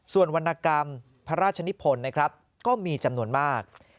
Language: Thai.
ส่วนวรรณกรรมพระราชนิพลนะครับก็มีจำนวนมาก